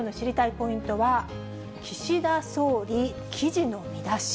ポイントは、岸田総理、記事の見出し。